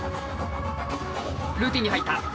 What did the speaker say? ルーティーンに入った！